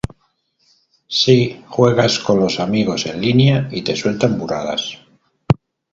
si juegas con los amigos en línea y te sueltan burradas